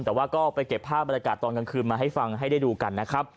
แต่ว่าก็ไปเก็บภาพบรรยากาศตอนกลางคืนมาให้ฟังให้ได้ดูกันนะครับ